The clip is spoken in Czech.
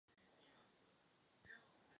Poprvé se ve hrách objevují otroci.